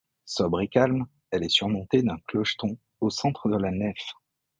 Sobre et calme elle est surmontée d’un clocheton au centre de la nef.